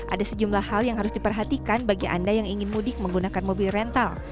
ada sejumlah hal yang harus diperhatikan bagi anda yang ingin mudik menggunakan mobil rental